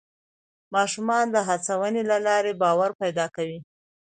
ماشومان د هڅونې له لارې باور پیدا کوي